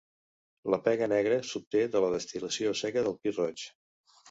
La pega negra s'obté de la destil·lació seca del pi roig.